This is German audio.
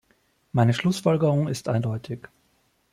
Meine Schlussfolgerung ist eindeutig.